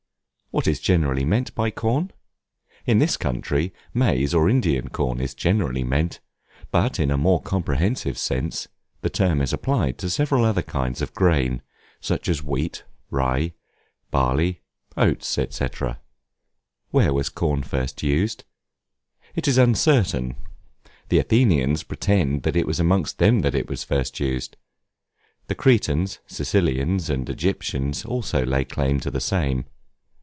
What is generally meant by Corn? In this country, maize, or Indian corn, is generally meant; but, in a more comprehensive sense, the term is applied to several other kinds of grain, such as wheat, rye, barley, oats, &c. Where was Corn first used? It is uncertain. The Athenians pretend that it was amongst them it was first used; the Cretans, Sicilians, and Egyptians also lay claim to the same.